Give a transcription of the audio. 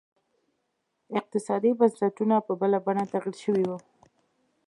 اقتصادي بنسټونه په بله بڼه تغیر شوي وو.